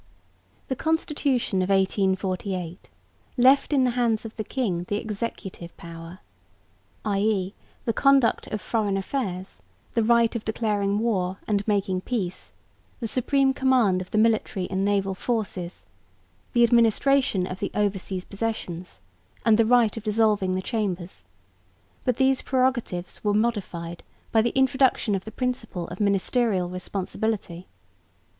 The Constitution of 1848 left in the hands of the king the executive power, i.e. the conduct of foreign affairs, the right of declaring war and making peace, the supreme command of the military and naval forces, the administration of the overseas possessions, and the right of dissolving the Chambers; but these prerogatives were modified by the introduction of the principle of ministerial responsibility.